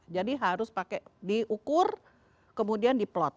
jadi harus diukur kemudian diplot